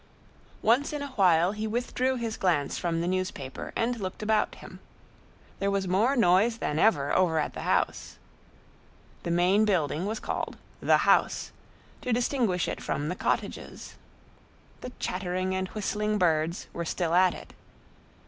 Once in a while he withdrew his glance from the newspaper and looked about him. There was more noise than ever over at the house. The main building was called "the house," to distinguish it from the cottages. The chattering and whistling birds were still at it.